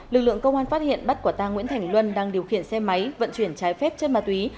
lực lượng công an phát hiện bắt quả tang nguyễn thành luân đang điều khiển xe máy vận chuyển trái phép chất ma túy